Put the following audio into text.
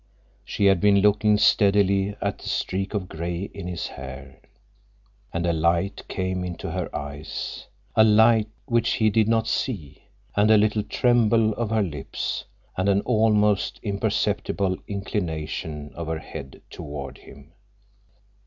She had been looking steadily at the streak of gray in his hair. And a light came into her eyes, a light which he did not see, and a little tremble of her lips, and an almost imperceptible inclination of her head toward him.